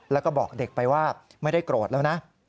แล้วก็บอกเด็กไปว่าไม่ได้โกรธแล้วนะ